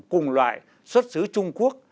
cùng loại xuất xứ trung quốc